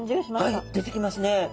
はい出てきますね。